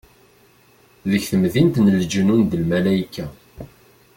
Deg temdint n lejnun d lmalayka.